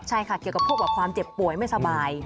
ใช่ค่ะเกี่ยวกับพวกความเจ็บป่วยไม่สบาย